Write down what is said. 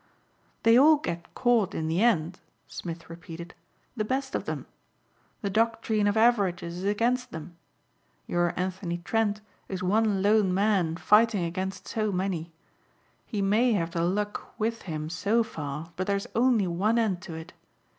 "They all get caught in the end," Smith repeated, "the best of them. The doctrine of averages is against them. Your Anthony Trent is one lone man fighting against so many. He may have the luck with him so far but there's only one end to it.